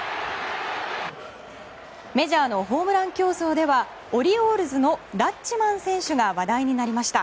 メジャーのホームラン競争ではオリオールズのラッチマン選手が話題になりました。